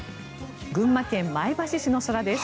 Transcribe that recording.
群馬県前橋市の空です。